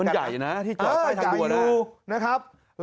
มันใหญ่นะที่จอดใต้ทะบัว